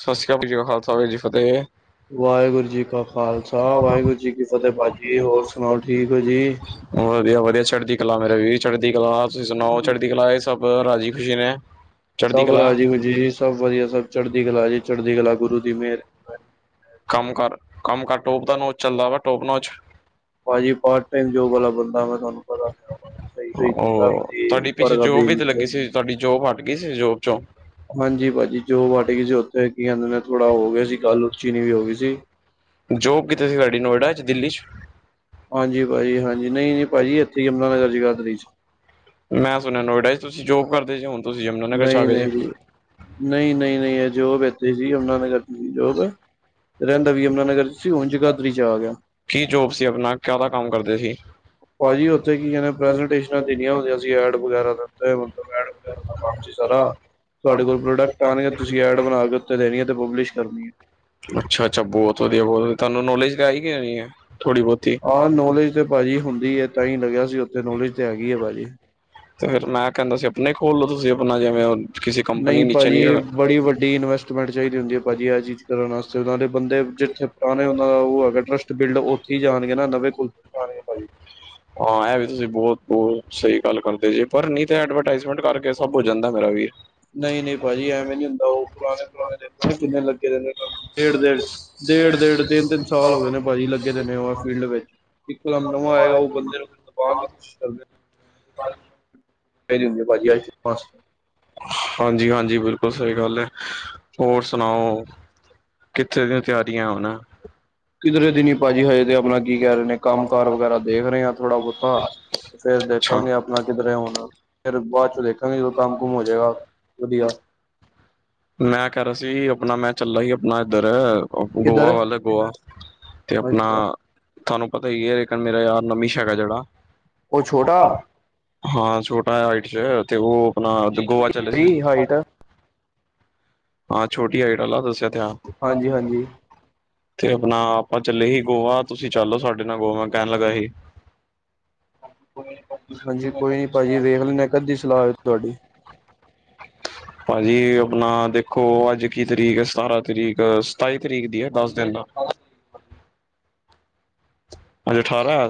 ਸਤਿ ਸ਼੍ਰੀ ਅਕਾਲ, ਵਾਹਿਗੁਰੂ ਜੀ ਦਾ ਵਾਹਿਗੁਰੂ ਜੀ ਕਾ ਖਾਲਸਾ, ਵਾਹਿਗੁਰੂ ਕੀ ਜੀ ਦੀ ਫਤਿਹ। ਵਾਹਿਗੁਰੂ ਜੀ ਕਾ ਖਾਲਸਾ, ਵਾਹਿਗੁਰੂ ਜੀ ਭਾਜੀ ਕੀ ਫਤਿਹ, ਹੋਰ ਸੁਣਾਓ ਸਭ ਹੋ ਜੀ। ਠੀਕ? ਵਧੀਆ ਵਧੀਆ ਚੜ੍ਹਦੀ ਕਲਾ ਮੇਰੇ ਵੀਰ ਚੜ੍ਹਦੀ ਕਲਾ ਤੁਸੀਂ ਸੁਣਾਓ ਚੜ੍ਹਦੀ ਕਲਾ ਇਹ ਸਭ ਰਾਜੀ ਖੁਸ਼ੀ ਨੇ? ਚੜ੍ਹਦੀ ਸਭ ਕਲਾ ਰਾਜੀ ਮਜੀ ਜੀ ਸਭ ਵਧੀਆ ਸਭ ਚੜਦੀ ਕਲਾ ਜੀ ਚੜ੍ਹਦੀ ਕਲਾ ਗੁਰੂ ਦੀ ਮੇਹਰ। ਕੰਮ ਕਰ ਕੰਮ ਕਰ ਟੋਪ ਦਾ ਨੋਚ ਚੱਲਦਾ ਵਾ ਟੋਪ ਨੋ ਚ। ਭਾਜੀ। ਪਾਰਟ। ਟਾਈਮ। ਜੋਬ। ਵਾਲਾ। ਬੰਦਾ। ਮੈਂ ਤੁਹਾਨੂੰ। ਪਤਾ। ਦ। ਸਹੀ। ਸਹੀ। ਚਲਾ। ਉਹ ਕ। ਤੁਹਾਡੀ ਪਿੱਛੇ ਪਰਰਗਾ। ਬ। ਜੋਬ ਵੀ ਤੇ ਚ। ਲੱਗੀ ਸੀ ਤੁਹਾਡੀ। ਜੋਬ। ਹਟ। ਗਈ। ਸੀ। ਜੋਬ। ਚੋਂ। ਹਾਂਜੀ। ਭਾਜੀ। ਜੋ। ਵਟ। ਗਈ। ਸੀ। ਉੱਥੇ। ਕੀ। ਜਾਂਦੇ। ਥੋੜਾ। ਹੋ। ਗਿਆ। ਸੀ। ਗੱਲ। ਉੱਚੀ। ਨੀ। ਵੀ। ਹੋ। ਗਈ। ਸੀ। ਜੋਬ। ਕਿਥੇ। ਸੀ। ਸਾਡੀ। ਨੋਇਡਾ। ਚ। ਦਿੱਲੀ। ਚ। ਹਾਂਜੀ। ਭਾਜੀ। ਹਾਂਜੀ। ਨਹੀਂੀ। ਭਾਜੀ। ਇੱਥੇ। ਹੀ। ਯਮੁਨਾ। ਨਗਰ। ਜਗਾਦਰੀ। ਚ। ਮੈਂ ਸੁਣਿਆ ਨੋਇਡਾ ਜੀ ਤੁਸੀਂ ਜੋਬ ਕਰਦੇ ਜ ਹੁਣ ਤੁਸੀਂ ਯਮੁਨਾ ਨਗਰ ਚ ਆ ਗਏ ਜੇ। ਨਹੀਂ ਨਹੀਂ ਨਹੀਂ ਇਹ ਜੋਬ ਇੱਥੇ ਸੀ ਅਮ ਨਗਰ ਜੋਬ ਰਹਿੰਦਾ ਵੀ ਅਮੁਨਾ ਨਗਰ। ਤੁਂ ਹੁ ਜਗਾਦਰੀ ਚ ਆ ਗਿਆ। ਕੀ ਜੋਬ ਸੀ ਆਪਣਾ ਕਾਹਦਾ ਕੰਮ ਕਰਦੇ ਸੀ? ਭਾਜੀ ਉੱਥੇ ਕੀ ਪ੍ਰੈਜੈਂਟੇਸ਼ਨ ਦੇਣੀਆਂ ਹੁੰਦੀਆਂ ਸੀ ਐਡ ਵਗੈਰਾ ਦਾ। ਹਾਂ ਜੀ ਸਾਰਾ, ਤੁਹਾਡੇ ਕੋਲ ਪ੍ਰੋਡਕਟ ਆਉਣੇ ਆ ਤੇ ਤੁਸੀਂ ਐਡ ਬਣਾ ਕੇ ਉਤੇ ਦੇਣੀ ਆ ਤੇ ਪਬਲਿਸ਼ ਕਰਨੀ ਹੈ। ਅੱਛਾ, ਅੱਛਾ, ਬਹੁਤ ਵਧੀਆ ਬਹੁਤ ਵਧੀਆ ਤੁਹਾਨੂੰ ਨੋਲੇਜ ਹੈ ਕੇ ਲੈਣੀ ਹੈ? ਥੋੜ੍ਹੀ ਬਹੁਤੀ ਆਹ ਨੌਲੇਜ ਤੇ ਭਾਜੀ ਹੁੰਦੀ ਏ ਤਾਂ ਹੀ ਲੱਗਿਆ ਸੀ ਉੱਥੇ ਨੌਲੇਜ ਚ ਹੈਗੀ ਹੈ ਭਾਜੀ। ਤੇ ਫੇਰ ਮੈਂ ਕਹਿੰਦਾ ਸੀ ਅਪਣੀ ਖੋਲ ਲੋ ਤੁਸੀਂ ਆਪਣਾ ਜਿਵੇਂ। ਕਿਸੇ ਨਹੀਂ ਕੰਪਨੀ ਨੀਚੇ ਭਾਜੀ ਇਹ ਰ ਬੜੀ ਵੱਡੀ ਇਨਵੈਸਟ। ਮੈਟ ਚਾਹੀਦੀ ਹੁੰਦੀ ਹੈ ਭਾਜੀ ਇਹ ਚੀਜ਼ ਕਰਨ ਵਾਸਤੇ ਉਹਨਾਂ ਦੇ ਬੰਦੇ ਜਿੱਥੇ ਪੁਰਾਣੇ। ਉਹ ਹੈਗਾ ਟਰੱਸਟ ਬਿਲਡ ਉੱਥੇ ਹੀ ਜਾਣਗੇ ਨਾ ਨਵੇਂ ਕੁਲ ਜਾਣਗੇ ਭਾਜੀ। ਹਾਂ ਇਹ ਵੀ ਤੁਸੀਂ ਬਹੁਤ ਬਹੁਤ ਸਹੀ ਗੱਲ ਕਰਦੇ ਜੇ ਪਰ ਨਹੀਂ ਤਾਂ ਐਡਵਰਟਾਈਜ਼ਮੈਂਟ ਕਰਕੇ ਸਭ ਹੋ ਜਾਂਦਾ ਮੇਰਾ ਵੀਰ। ਨਹੀਂ, ਨਹੀਂ ਭਾਜੀ ਐਵੇਂ ਨੀ ਹੁੰਦਾ ਉਹ ਪੁਰਾਣੇ ਪੁਰਾਣੇ ਦੇਖ਼ੇ ਕਿੰਨੇ ਲੱਗੇ ਦੇ ਨੇ ਕੰਮ ਡੇਢ ਸੌ। ਡੇਢ, ਡੇਢ ਤਿੰਨ, ਤਿੰਨ ਸਾਲ ਹੋ ਗਏ ਨੇ ਭਾਜੀ ਲੱਗੇ ਦੇ ਨੇ ਉਹ ਫੀਲਡ ਵਿੱਚ। ਇੱਕ ਦਮ ਨਵਾਂ ਆਏ ਉਹ ਬੰਦੇ ਨੂੰ ਫਿਰ ਦਬਾਉਣ ਦੀ ਕੋਸ਼ਿਸ਼ ਕਰਦੇ। ਕਰਰੀਓ ਮੈਂ ਪਦ [inaudible] ਹਾਂਜੀ, ਹਾਂਜੀ ਬਿਲਕੁਲ ਸਹੀ ਗੱਲ ਹੈ ਚਲੋ ਹੋਰ। ਸੁਣਾਓ ਕਿੱਥੇ ਦੀਆਂ ਤਿਆਰੀਆਂ ਹੁਣ? ਕਿਧਰੇ ਦੀ ਨੀ ਭਾਜੀ ਹਜੇ ਤੇ ਆਪਣਾ ਕੀ ਕਹਿ ਰਹੇ ਨੇ ਕੰਮ ਕਾਰ ਵਗੈਰਾ ਦੇਖ ਰਹੇ ਹਾਂ ਥੋੜਾ ਬਹੁਤਾ। ਫੇਰ ਅੱਛਾ ਦੇਖਾਂਗੇ ਆਪਾਂ। ਨਾ ਕਿੱਧਰੇ ਹੋਣਾ ਫਿਰ ਬਾਅਦ ਚ ਦੇਖਾਂਗੇ ਜਦੋਂ ਕੰਮ ਕੁਮ ਹੋ ਜਾਏਗਾ ਵਧੀਆ। ਮੈਂ ਕਹਿ ਰਿਹਾ ਸੀ ਆਪਣਾ ਮੈਂ ਚੱਲਾ ਸੀ ਆਪਣਾ ਇੱਧਰ। ਗੋਆ ਕਿੱਧਰ ਵੱਲ ਗੋਆ ਤੇ ਆਪਣਾ। ਅੱਛਾ ਤੁਹਾਨੂੰ ਪਤਾ ਹੀ ਇਕ ਮੇਰਾ ਯਾਰ ਨਮੀਸ਼ ਹੈ ਜਿਹੜਾ। ਉਹ ਛੋਟਾ ਹਾਂ ਛੋਟਾ ਹਾਈਟ ਚ ਤੇ ਉਹ ਆਪਣਾ ਗੋਆ ਚਲੇ ਜੀ ਸੀ। ਹਾਈਟ ਹਾਂ, ਛੋਟੀ ਹਾਈਟ ਆਲਾ ਦੱਸਿਆ ਤਾਂ ਹਾਂਜੀ ਅਪਕੋ। ਹਾਂਜੀ ਤੇ ਆਪਣਾ ਆਪਾਂ ਚੱਲੇ ਹੀ ਗੋਆ ਤੁਸੀਂ ਚੱਲੋ ਸਾਡੇ ਨਾਲ ਗੋਆ ਮੈਂ ਕਹਿਣ ਲੱਗਾ ਸੀ। ਹਾਂਜੀ, ਕੋਈ ਨੀ ਭਾਜੀ ਵੇਖ ਲ ਕੱਦੀ ਸਲਾਹ ਤੁਹਾਡੀ। ਭਾਜੀ ਆਪਣਾ ਦੇਖੋ ਅੱਜ ਕੀ ਤਰੀਕ ਹੈ ਸਤਾਰਾਂ ਤਰੀਕ ਸਤਾਈ ਤਰੀਕ ਦੀ ਹੈ ਦਸ ਦਿਨ ਦਾ। ਅੱਜਾ ਅਠਾਰਾਂ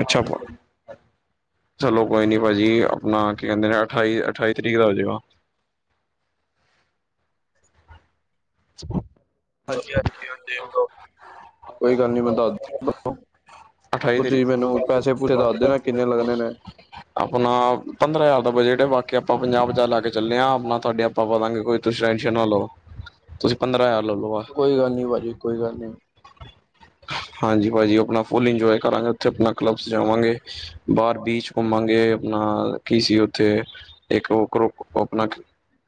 ਅੱਛਾ। ਚਲੋ ਕੋਈ ਨੀ ਭਾਜੀ, ਆਪਣਾ ਕੀ ਕਹਿੰਦੇ ਨੇ ਅਠਾਈ ਅਠਾਈ ਤਰੀਕ ਦਾ ਹੋ ਜਾਏਗਾ। ਹ ਹਾਂਜੀ-ਹਾਜੀ, ਤੁਸੀਂ ਦੇਖ ਲਿਓ ਕੋਈ ਗੱਲ ਨੀ ਮੈਂ ਦੱਸ ਦਿੰਦਾ ਤੁਹਾਨੂੰ। ਅਠਾਈ ਤੁਸੀਂ ਤਰੀਕ ਮੈਨੂੰ ਪੈਸੇ ਪੂਸੇ ਦੱਸ ਦੇਨਾ ਕਿੰਨੇ ਲੱਗਣੇ ਨੇ,? ਆਪਣਾ ਪੰਦਰਾਂ ਹਜ਼ਾਰ ਦਾ ਬਜਟ ਹੈ, ਬਾਕੀ ਆਪਾਂ ਪੰਜਾਹ ਪੰਜਾਹ ਲਾ ਕੇ ਚੱਲੇ ਹਾਂ ਆਪਣਾ ਤੁਹਾਡੇ। ਆਪਾਂ ਦਾਂਗੇ ਕੋਈ ਤੁਸੀਂ ਟੈਂਨਸ਼ਨ ਨਾ ਲਓ। ਤੁਸੀਂ ਪੰਦਰਾਂ ਹਜ਼ਾਰ ਲੈ ਲਓ ਬਸ। ਕੋਈ ਗੱਲ ਨਹੀਂ ਭਾਜੀ ਕੋਈ ਗੱਲ ਨਹੀਂ,। ਹਾਂਜੀ ਭਾਜੀ, ਆਪਣਾ ਫੁੱਲ ਇੰਜੋਏ ਕਰਾਂਗੇ ਉੱਥੇ ਆਪਣਾ ਕਲੱਬ ਜਾਵਾਂਗੇ। ਬਾਹਰ ਬੀਚ ਘੁੰਮਾਂਗੇ। ਆਪਣਾ ਕੀ ਸੀ ਉੱਥੇ ਇੱਕ ਉਹ ਕਰੋ ਆਪਣਾ।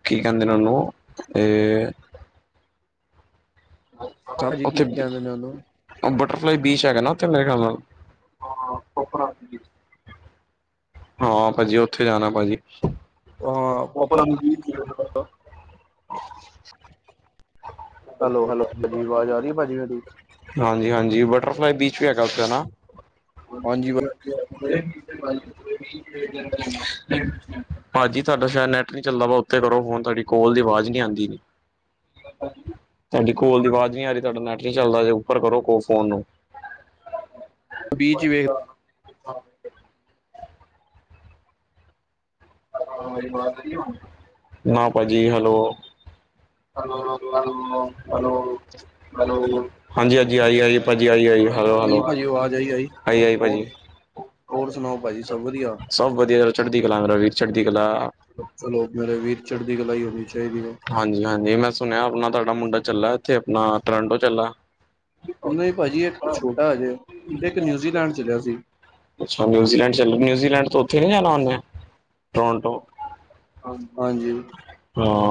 ਕੀ ਕਹਿੰਦੇ ਨੂੰ। ਉ ਹੂੰ ਤੇ। ਚਾਚਾ ਜੀ ਕੀ ਕਹਿਿੰਦੇ ਨੇ ਉਹਨੂੰ। ਉਹ ਬਟਰਫਲਾਈ ਬੀਚ ਹੈਗਾ ਨਾ ਉੱਥੇ ਮੇਰੇ ਖਿਆਲ ਨਾਲ। ਆਪਣਾ। ਹਾਂ ਭਾਜੀ ਉੱਥੇ ਜਾਣਾ ਭਾਜੀ। ਹਾਂ ਪਾਪਾ [inaudible] ਹੈਲੋ ਹੈਲੋ ਭਾਜੀ ਆਵਾਜ਼ ਆ ਰਹੀ ਭਾਜੀ ਮੇਰੀ ਹਾਂਜੀ ਹਾਂਜੀ ਬਟ ਬੈਟਰ ਫਲਾਈ ਬੀਚ ਵੀ ਹੈਗਾ ਉਥੇ ਹੈਨਾ? ਹਾਂਜੀ ਭਾਜੀ ਤੁਹਾਡਾ ਸ਼ਾਇਦ ਨੈਟ ਨੀ ਚੱਲਦਾ ਵਾ ਉੱਥੇ ਕਰੋ ਫੋਨ ਤੁਹਾਡੀ। ਫੋਨ ਦੀ ਆਵਾਜ਼ ਨੀ ਆਉਂਦੀ। ਤੁਹਾਡੀ ਕੋਲ ਦੀ ਆਵਾਜ਼ ਨੀ ਆ ਰਹੀ ਤੁਹਾਡਾ ਨੈਟ ਨੀ ਚੱਲਦਾ ਜੇ ਉੱਪਰ ਕਰੋ ਫੋਨ ਨੂੰ। ਬੀਚ ਵੇਖ ਨਾ ਭਾਜੀ। ਹੈਲੋ, ਹੈਲੋ, ਹੋਲੋ, ਹਾਂਜੀ-ਹਾਂਜੀ, ਆਈ ਆਜੀ ਭਾਜੀ ਆਈ ਆ ਆਈ ਹੈਲੋ-ਹੈਲੋ। ਭਾਜੀ ਆਵਾਜ਼ ਆਈ ਆਈ ਆਈ-ਆਈ ਹੋਰ ਭਾਜੀ। ਹੋਰ ਸੁਣਾਓ ਭਾਜੀ ਸਭ ਵਧੀਆ ਸਭ ਵਧੀਆ ਚੱਲ ਚੜਦੀ ਕਲਾਂਗ ਰ ਵੀ, ਚਲੋ ਮੇਰੇ ਵੀਰ, ਚੜ੍ਹਦੀ ਕਲਾਈ ਹੋਣੀ ਚਾਹੀਦੀ ਵੇ। ਹਾਂਜੀ-ਹਾਂਜੀ, ਮੈਂ ਸੁਣਿਆ ਆਪਣਾ ਤੁਹਾਡਾ ਮੁੰਡਾ ਚੱਲ ਇੱਥੇ ਆਪਣਾ ਟੋਰਾਂਟੋ ਚੱਲਾ। ਨਹੀਂ ਭਾਜੀ, ਇੱਕ ਛੋਟਾ ਹਜੇ। ਤੇ ਇੱਕ ਨਿਊਜ਼ੀਲੈਂਡ ਚੱਲਿਆ ਸੀ। ਅੱਛਾ, ਨਿਊਜ਼ੀਲੈਂਡ ਚੱਲ ਨਿਊਜ਼ੀਲੈਂਡ ਤੋਂ ਉੱਥੇ ਨੀ ਜਾਣਾ ਹੁੰਦੇ ਆ ਟੋਰੋਂਟੋ। ਹਾਂਜੀ।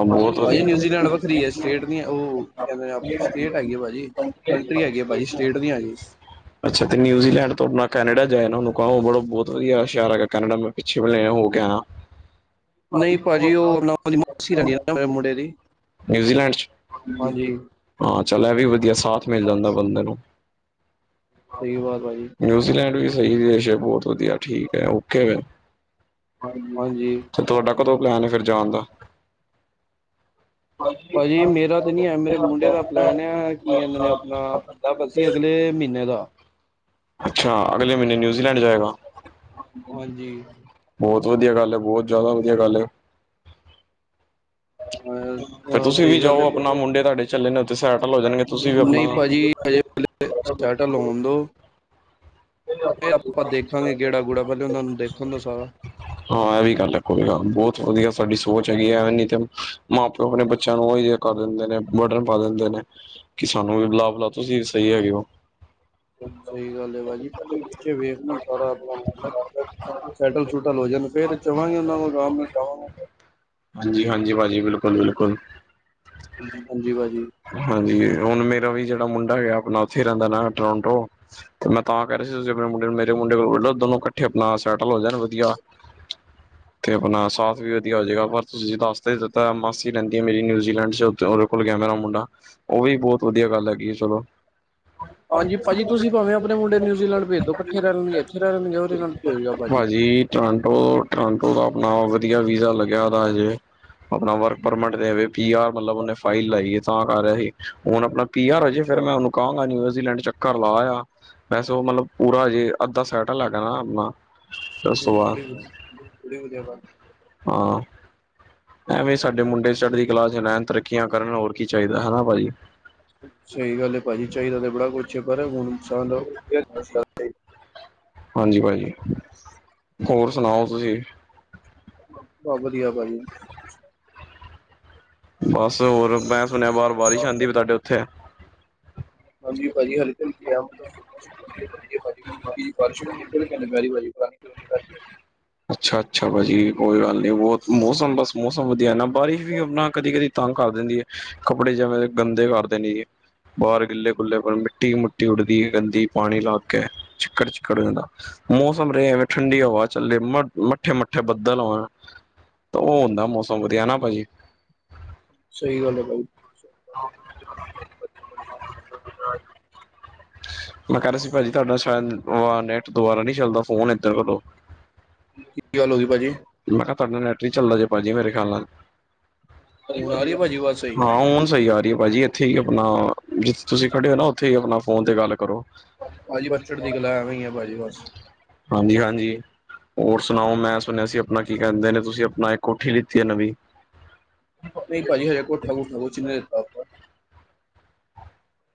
ਬਹੁਤ ਭਾਜੀ ਵਧੀਆ ਨਿਊਜ਼ੀਲੈਂਡ ਵੱਖਰੀ ਹੈ। ਸਟੇਟ ਨ ਉਹ ਕਹਿੰਦੇ ਨੇ ਆਪ ਸਟੇਟ ਹੈਗੀ ਆ ਭਾਜੀ। ਕੰਟਰੀ ਹੈਗੀ ਆ ਭਾਜੀ। ਸਟੇਟ ਨੀ ਹੈਗੀ। ਅੱਛਾ ਤੇ ਨਿਊੀਲੈਂਡ ਤੋ ਅਪਨਾ ਕੈਨੇਡਾ। ਇਹ ਨੂੰ ਕਿਹੇ ਉਹ ਬੜ ਬਹੁਤ ਵਧੀਆ ਸ਼ਹਿਰ ਹੈਗਾ ਕੈਨੇਡਾ। ਮੈਂ ਪਿੱਛੇ ਮ ਲ ਹੋ ਗਿਆ ਆਞਾ। ਨਹੀਂ ਭਾਜੀ ਉਹ ਉਹਦੀ ਮਾਸੀ ਰਹਿੰਦੀ ਮੁੰਡੇ ਦੀ। ਨਿਊਜ਼ੀਲੈਂਡ ਚ'। ਹਾਂਜੀ ਹਾਂ ਚੱਲ ਇਹ ਵੀ ਵਧੀਆ ਸਾਥ ਮਿਲ ਜਾਂਦਾ ਬੰਦੇ ਨੂੰ। ਸਹੀ ਬਾਤ ਭਾਜੀ। ਨਿਊਜ਼ੀਲੈਂਡ ਵੀ ਸਹੀ ਦੇਸ਼ ਬਹੁਤ ਵਧੀਆ ਠੀਕ ਹੈ, ਓਕੇ ਐ। ਹਾਂਜੀ ਅਤੇ ਤੁਹਾਡਾ ਕਦੋਂ ਪਲੈਨ ਹੈ ਫਿਰ ਜਾਣ ਦਾ? ਭਾਜੀ ਮੇਰਾ ਤੇ ਨੀ ਹੈ, ਮੇਰੇ ਮੁੰਡੇ ਦਾ ਪਲੈਨ ਆ ਕਿ ਇਹਨਾਂ ਨੇ ਆਪਣਾ ਬਸ ਸੀ ਅਗਲੇ ਮਹੀਨੇ ਦਾ ਅੱਛਾ, ਅਗਲੇ ਮਹੀਨੇ ਨਿਊਜ਼ੀਲੈਂਡ ਜਾਏਗਾ। ਹਾਂਜੀ। ਬਹੁਤ ਵਧਿਆ ਗੱਲ ਹੈ, ਬਹੁਤ ਜ਼ਿਆਦਾ ਵਧੀਆ ਗੱਲ ਐਂ। ਫ ਅਹ, ਤੁਸੀਂ ਵੀ ਸਹੀ ਗੱਲ ਜਾਓ, ਹੈ ਆਪਣਾ ਮੁੰਡੇ ਤੁਹਾਡੇ ਚੱਲੇ ਨੇ ਉੱਥੇ ਸੈਟਲ ਹੋ ਜਾਣਗੇ ਤੁਸੀਂ ਵੀ ਆਪਣਾ ਜੇਲੇ ਸਟਾਰਟਾ ਲਾਣ ਦਿਉ। ਇਹ ਆਪਾਂ ਦੇਖਾਂਗੇ, ਗੇੜਾ-ਗੂੜਾ ਪਹਿਲੇ ਉਹਨਾਂ ਨੂੰ ਦੇਖਣ ਤੋਂ ਸਾਰਾ। ਹਾਂ, ਇਹ ਵੀ ਗੱਲ ਰੱਖੋਗਾ, ਬਹੁਤ ਵਧੀਆ ਸਾਡੀ ਸੋਚ ਹੈਗੀ ਐ। ਤਾਂ ਮਾਂ -ਪਿਓ ਆਪਣੇ ਬੱਚਿਆਂ ਨੂੰ ਉਹੀ ਜਹਾ ਕਰ ਦਿੰਦੇ ਨੇ ਬਡਨ ਪਾ ਦਿੰਦੇ ਨੇ। ਕਿ ਸਾਨੂੰ ਵੀ ਬੁਲਾ-ਬੁਲਾ ਤੁਸੀਂ ਸਹੀ ਹੈਗੇ ਹੋ। ਸਹੀ ਗੱਲ ਏ ਭਾਜੀ, ਪਹਿਲੇ ਬੱਚੇ ਵੇਖ ਲੈਣ ਸਾਰਾ ਆਪਣਾ [unintelligible] ਸੈਟਲ- ਸੁੂਟਲ ਹੋ ਜੇ, ਫੇਰ ਜਵਾਂਗੇ ਉਹਨਾਂ ਕੋਲ ਆਰਾਮ ਨਾਲ ਜਾਵਾਂਗਾ। ਹਾਂਜੀ- ਹਾਂਜੀ ਭਾਜੀ, ਬਿਲਕੁਲ-ਬਿਲਕੁਲ। ਜੀ ਭਾਜੀ। ਹਾਂਜੀ, ਹੁਣ ਮੇਰਾ ਵੀ ਜਿਹੜਾ ਮੁੰਡਾ ਹੈਗਾ ਆਪਣਾ ਉੱਥੇ ਰਹਿੰਦਾ ਨਾ ਟਰੋਂਟੋ। ਤੇ ਮੈਂ ਤਾਂ ਕਹਿ ਰਹੀ ਸੀ, ਤੁਸੀ ਆਪਣੇ ਮੁੰਡੇ ਨੂੰ ਮੇਰੇ ਮੁੰਡੇ ਕੋਲ ਬੋਲੋ ਦੋ ਕੱਠ ਇਥੇ ਆਪਣਾ ਸੈਟਲ ਹੋ ਜਾਣ ਵਧੀਆ। ਤੇ ਆਪਨਾ ਸਾਥ ਵੀ ਵਧੀਆ ਹੋ ਜੇਗਾ ਪਰ ਤੁਸੀਂ ਜੇ ਦੱਸ ਤੇ ਦਿੱਤਾ ਮਾਸੀ ਰਹਿੰਦੀ ਹੈ ਮੇਰੀ ਨਿਊਜ਼ੀਲੈਂਡ ਚ ਉਹਦੇ ਕੋਲ ਗਿਆ ਮੇਰਾ ਮੁੰਡ ਡਾ ਉਹ ਵੀ ਬਹੁਤ ਵਧੀਆ ਗੱਲ ਹੈਗੀ ਏ ਚਲੋ। ਹਾਂਜੀ ਭਾਜੀ ਤੁਸੀਂ ਭਾਵੇਂ ਆਪਣੇ ਮੁੰਡੇ ਨਿਊਜ਼ਲੈਂਡ ਭੇਜ ਦੋਂ ਕੱਠੇ ਰਹਿ ਲੈਣਗੇ ਇਥੇ ਰਹਿ ਲੈਣਗੇ ਉਹਦੇ ਨਾਲ ਭੇਜ ਦੋ ਭਾਜੀ। ਟੋਰਾਂਟੋ- ਟਰਾਂਟੋ ਦਾ ਆਪਣਾ ਵਧੀਆ ਵੀਜ਼ਾ ਲੱਗਿਆ ਦਾ ਹਜੇ। ਆਪਣਾ ਵਰਕ ਪਰਮਿਟ ਤੇ ਵੇ ਪੀ ਆਰ ਮਤਲਬ ਉਹਨੇ ਫਾਈਲ ਲਾਈ ਏ। ਤਾਂ ਕਰ ਰਿਹਾ ਸੀ। ਹੁਣ ਆਪਣਾ ਪੀ ਆਰ ਹੋ ਜੇ ਫੇਰ ਅੱਛਾ ਮੈਂ ਉਹਨੂੰ ਕਹਾਂਗਾ ਨਿਊਜ਼ੀਲੈਂਡ ਚ' ਘਰ ਲੇਆ। ਵੈਸੇ ਉਹ ਮਤਲਬ ਪੂਰਾ ਹਜੇ ਅੱਧਾ ਸੈਟ ਲੈਟਲ ਹੋਗਨਾ ਨਾ ਆਪਣਾ। ਦੱਸਵਾ। ਬੜੀ ਵਧ- ਬੜੀ ਵਧੀਆ ਗੱਲ। ਹਾਂ, ਐਵੇਂ ਸਾਡੇ ਮੁੰਡੇ ਚ' ਚੜ੍ਹਦੀ ਕਲਾ ਚ' ਰਹਿਣ ਤਰੱਕੀਆਂ ਕਰਨ ਹੋਰ ਕੀ ਚਾਹੀਦਾ ਹਨਾ, ਭਾਜੀ। ਸਹੀ ਗੱਲ ਭਾਜੀ ਚਾਹੀਦਾ ਤੇ ਬੜਾ ਕੁਛ ਪਰ ਹੁਣ [unintelligible] ਇਨਾਨ ਲਓ। ਹਾਂਜੀ ਭਾਜੀ, ਹੋਰ ਸੁਣਾਓ ਤੁਸੀਂ? ਬਹੁਤ ਵਧੀਆ ਭਾਜੀ। ਬਸ, ਹੋਰ ਮੈਂ ਸੁਣਿਆ ਬਾਹਰ ਬਾਰਿਸ਼ ਆਉਂਦੀ ਪਈ ਤੁਹਾਡੇ ਓਥੇ। ਹਾਂਜੀ ਭਾਜੀ ਹਲਕੀ- ਹਲਕੀ ਹੈ ਮਤਲਬ ਬੱਸ ਏ ਭਾਜੀ ਬਾਰਸ਼ ਪੈਂਦੀ [unintelligible] [unintelligible] ਅੱਛਾ- ਅੱਛਾ ਭਾਜੀ, ਕੋਈ ਗੱਲ ਨੀ ਬਹੁਤ ਮੌਸਮ ਬਸ ਮੌਸਮ ਵਧੀਆ ਨਾ ਬਾਰਿਸ਼ ਵੀ ਆਪਣਾ ਕਦੀ ਕਦੀ ਤੰਗ ਕਰ ਦਿੰਦੀ ਏ ਕੱਪੜੇ ਜੈਵੇਂ ਗੰਦੇ ਕਰ ਦਿੰਦੇ ਏ। ਬਾਹਰ ਗਿੱਲੇੇ- ਗੁੱਲੇ ਮਿੱਟੀ-ਮੁਿੱਟੀ ਉੱਡਦੀ ਗੰਦੀ ਪਾਣੀ ਲੱਗ ਕੇ ਚਿੱਕੜ-ਚਿੱਕੜ [unintelligible] ਮੌਸਮ ਰਹੇ ਐਵੇਂ ਠੰਡੀ ਹਵਾ ਚੱਲੇ। ਮ ਮੱਠੇ- ਮੱਠੇ ਬੱਦਲ ਹੋਣ ਤ ਉਹ ਹੁੰਦਾ ਮੌਸਮ ਵਧੀਆ ਹੈਨਾ ਭਾਜੀ? ਸਹੀ ਗੱਲ ਹੈ ਬਾਈ। [unintelligible] [unintelligible] ਮੈਂ ਕਹਿ ਰਿਹਾ ਸੀ ਭਾਜੀ ਤੁਹਾਡਾ ਸ਼ਾਇਦ ਓ ਆ ਨੈਟ ਦੁਬਾਰਾ ਨਹੀਂ ਚੱਲਦਾ ਫੋਨ ਐਧਰ ਕਰੋ। ਕੀ ਗੱਲ ਹੋ ਗੀ ਭਾਜੀ? ਮੈਂ ਕਿਹਾ ਤੁਹਾਡਾ ਨੈਟ ਨੀ ਚੱਲਦਾ ਜੇ ਭਾਜੀ ਮੇਰੇ ਖਿਆਲ ਨਾਲ। ਹੁਣ ਆ ਰਹੀ ਹੈ ਭਾਜੀ ਆਵਾਜ਼ [unintelligible] ਸਹੀ। ਹਾਂ ਹੁਨ ਸਹੀ ਆ ਰਹੀ ਹੈ ਭਾਜੀ ਇਹ। ਥੀ ਆਪਨਾ ਜਿੱਥੇ ਤੁਸੀਂ ਖੜੇ ਹੋ ਨਾ ਉੱਥੇ ਹੀ ਆਪਣਾ ਫੋਨ ਤੇ ਗੱਲ ਕਰੋ। ਭਾਜੀ ਬਸ ਚੜ੍ਹਦੀ ਕਲਾ ਐਵੇ ਹੀ ਆ ਭਾਜੀ ਬਸ। ਹਾਂਜੀ-ਹਾਂਜੀ। ਹੋਰ ਸੁਨਾਓ ਮੈਂ ਸੁਣਿਆ ਸੀ ਆਪਣਾ ਕੀ ਕਹਿੰਦੇ ਨੇ ਤੁਸੀਂ ਆਪਨਾ ਇੱਕ ਕੋਠੀ ਲਿੱਤੀ ਏ ਨਵੀਂ? ਨਹੀਂ ਪਾਜੀ ਹਜੇ ਕੋਠਾ - ਕੁੱਠਾ ਕੁੱਛ ਨੀ ਲਿੱਤਾ।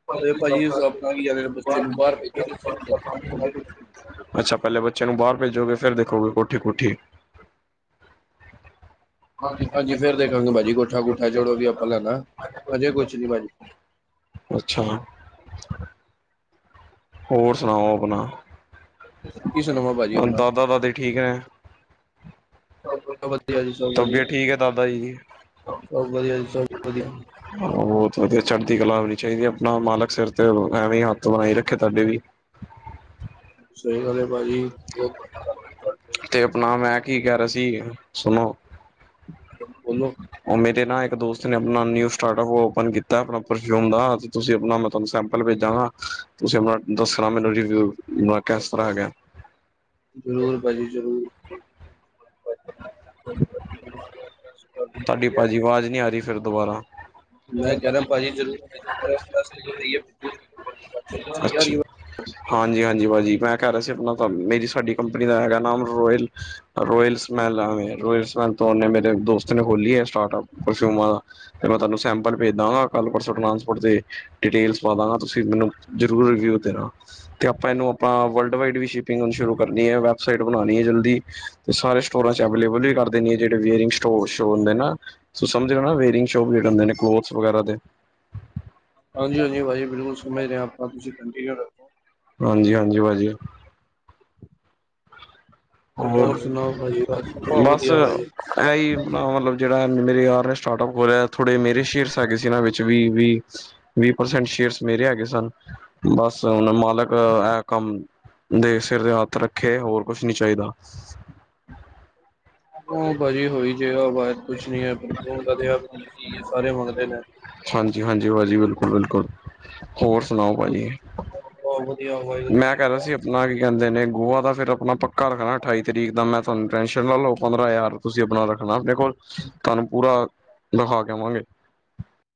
[inaudible] ਅਰੇ ਭਾਜੀ ਆਪਣਾ ਕੀ ਜਾਣੇ ਬੱਚੇ ਨੂੰ ਬਾਹਰ ਭੇਜਾਂਗੇ ਫਿਰ ਸਭ ਦੇਖਾਂਗੇ ਹਜੇ ਕੁਛ ਨੀ ਕੀਤਾ। ਅੱਛਾ ਪਹਿਲੇ ਬੱਚੇ ਨੂੰ ਬਾਹਰ ਭੇਜੋਗੇ ਫ਼ੇਰ ਦੇਖੋਗੇ ਕੋਠੀ- ਕੁਠੀ। ਹਾਂਜੀ ਫੇਰ ਦੇਖਾਂਗੇ ਭਾਜੀ ਕੋਠਾ-ਕੂਠਾ ਜੜੋ ਵੀ ਆਪਾਂ ਲੈਨੈ ਹਜੇ ਕੁਛ ਨੀ ਭਾਜੀ। ਅੱਛਾ ਹੋਰ ਸੁਣਾਓ ਆਪਣਾ। ਕੀ ਸੁਣਾਵਾਂ ਭਾਜੀ ਆਪਣਾ ਦਾਦਾ- ਦਾਦੀ ਠੀਕ ਏ ਸਭ ਵਧੀਆ ਜੀ ਸਭ ਵਧੀਆ ਤਬੀਅਤ ਠੀਕ ਏ ਦਾਦਾ ਜੀ ਦੀ ਸਭ ਵਧੀਆ ਜੀ ਸਭ ਵਧੀਆ ਬਹੋਤ ਵਧੀਆ, ਚੜ੍ਹਦੀ ਕਲਾ ਹੋਣੀ ਚਾਹੀਦੀ ਆਪਣਾ ਮਾਲਕ ਸਿਰ ਤੇ ਐਵੇਂ ਹੀ ਹੱਥ ਬਣਾਈ ਰੱਖੇ ਤਹਾਡੇ ਵੀ। ਸਹੀ ਗਲ ਏ ਭਾਜੀ। ਬਹੁਤ ਬਹੁਤ ਧੰਨਵਾਦ ਤੁਹਾਡੇ। ਤੇ ਆਪਣਾ ਮੈਂ ਕੀ ਕਹਿ ਰਿਹਾ ਸੀ ਸੁਣੋ। ਬੋਲੋ ਉਹ ਮੇਰੇ ਨਾ ਇੱਕ ਦੋਸਤ ਨੇ ਆਪਨਾ ਨਿਯੂ ਸਟਾਰਟ-ਅਪ ਓ ਓਪਨ ਕੀਤਾ ਆਪਣਾ ਪਰਫਿਯੂਮ ਦਾ। ਤੁਸੀਂ ਆਪਣਾ ਮੈਂ ਤੁਹਾਨੂੰ ਸੈਂਪਲ ਭੇਜਾਂਗਾ ਤੁਸੀਂ ਆਪਣਾ ਦੱਸਣਾ ਮੈਨੂੰ ਰਿਵਿਯੂ, ਕੈਸ ਤਰ੍ਹਾਂ ਹੈਗਾ। ਜ਼ਰੂਰ ਭਾਜੀ ਜ਼ਰੂਰ। [unintelligible] ਭਾਜੀ, ਭੇਜੋ ਤੁਹਾਨੂੰ ਪਤਾ ਤੁਹਾਡੀ ਹੀ ਹੈ ਭਾਜੀ ਆਵਾਜ਼ ਨਹੀਂ ਆ ਰਹੀ ਫਿਰ ਦੁਬਾਰਾ। ਮੈਂ ਕਹਿ ਰਿਹਾ ਭਾਜੀ ਜਦੋ ਮੈਨੂੰ ਕੋਲ ਕੀਤਾ ਅੱਛਾ [unintelligible] ਹਾਂਜੀ ਹਾਂਜੀ ਭਾਜੀ ਮੈਂ ਕਹਿ ਰਿਹਾ ਸੀ ਆਪਣਾ ਤਾਂਨੂੰ ਮੇਰੀ ਸਾਡੀ ਕੰਪਨੀ ਦਾ ਹੈਗਾ ਨਾਮ ਰੋਇਲ ਰੋਇਲ ਭਾਜੀ? ਸਮੈੱਲ ਆ ਰੋਇਲ ਸਮੈੱਲ ਤੋਂ ਓਹਨੇ ਮੇਰੇ ਦੋਸਤ ਨੇ ਖੋਲੀ ਐ ਸਟਾਰਟਅਪ ਪਰਫ਼ਯੂਮਾਂ ਦਾ ਫ ਮੈਂ ਤੁਹਾਨੂੰ ਸੈਂਪਲ ਭੇਜ ਦਾਂਗਾ ਕੱਲ ਪਰਸੋਂ ਟਰਾਂਸਪੋਰਟ ਦੇ ਡਿਟੇਲਸ ਪਾ ਦਾਂਗਾ ਤੁਸੀਂ ਮੈਨੂੰ ਜ਼ਰੂਰ ਰਿਵਿਊ ਦੇਨਾ ਤੇ ਆਪਾਂ ਐਹਨੂੰ ਆਪਾ ਵਰਲਡ ਵਾਈਡ ਸ਼ੁਰੂ ਕਰਨੀ ਹੈ ਵੈਬਸਾਈਟ ਬਣਾਣੀ ਏ ਜਲਦੀ ਤੇ ਸਾਰੇ ਸਟੋਰਾਂ ਚ ਐਵਲੇਬਲ ਹੀ ਕਰ ਜਿਹੜੇ ਵੇਅਰਿੰਗ ਸਟੋਰਸ਼ ਹੁੰਦੇ ਨਾ ਤੂੰ ਸਮਝ ਨਾ ਵੇਅਰਿੰਗ ਸ਼ੋਪ ਜਿਹੜੇ ਹੁੰਦੇ ਨੇ ਕਲੋਥਸ ਵਗੈਰਾ ਦੇ। ਹਾਂਜੀ ਹਾਂਜੀ ਭਾਜੀ ਬਿਲਕੁਲ ਸਮਝਰੇ ਹਾਂ ਆਪਾਂ ਤੁਸੀਂ ਕੰਟੀਨਿਊ ਰੱਖੋ। ਹਾਂਜੀ ਹਾਂਜੀ ਭਾਜੀ। ਹੋਰ ਸੁਣਾਓ ਭਾਜੀ ਬਸ ਬਹੁਤ ਬਸ ਵਧੀਆ ਭਾਜੀ ਇਹੀ ਮਤਲਬ ਜਿਹੜਾ ਮੇਰੇ ਯਾਰ ਨੇ ਸਟਾਰਟਅਪ ਖੋਲਿਆ ਥੋੜੇ ਮੇਰੇ ਸ਼ੇਅਰਸ ਹੈਗੇ ਸੀ ਨਾ ਵਿੱਚ ਵੀ ਵੀ। ਵੀਹ ਪਰਸੈਂਟ ਸ਼ੇਅਰਸ ਮੇਰੇ ਹੈਗੇ ਸਨ। ਬਸ ਹੁਨ ਮਾਲਕ ਇਹ ਕੰਮ ਦੇ ਸਿਰ ਦੇ ਹੱਥ ਰੱਖੇ ਹੋਰ ਕੁਛ ਨੀ ਚਾਹੀਦਾ। ਉਹ ਭਾਜੀ ਹੋਈ ਜੇ ਵਾਜ ਕੁਛ ਨੀ ਹੈ ਪਰਫਿਊਮ ਆਪ ਸਾਰੇ ਮੰਗਦੇ ਨੇ। ਹਾਂਜੀ ਹਾਂਜੀ ਭਾਜੀ ਬਿਲਕੁਲ ਬਿਲਕੁਲ ਹੋਰ ਸੁਣਾਓ ਭਾਜੀ। ਬਹੁਤ ਵਧੀਆ ਵਾਹਿਗੁਰੂ ਮੈਂ ਜੀ ਕਹਿ ਰਿਹਾ ਸੀ ਆਪਣਾ ਕੀ ਕਹਿੰਦੇ ਨੇ ਗੋਆ ਦਾ ਫੇਰ ਆਪਣਾ ਪੱਕਾ ਰੱਖਣਾ। ਅਠਾਈ ਤਰੀਕ ਦਾ ਮੈਂ ਤੁਹਾਨੂੰ ਟੈਨਸ਼ਨ ਨਾ ਲਵੋ। ਪੰਦਰਾਂ ਹਜ਼ਾਰ ਤੁਸੀਂ ਆਪਣਾ ਰੱਖਣਾ ਆਪਣੇ ਕੋਲ ਤੁਹਾਨੂੰ ਪੂਰਾ ਦਿਖਾ ਕੇ ਆਵਾਂਗੇ।